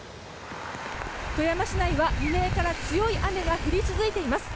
富山市内は未明から強い雨が降り続いています。